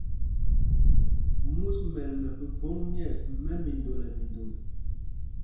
Mūs mɛ́l mɛ phúphōŋ mɛ̂ɛs mɛ́ mindol nɛ mindol.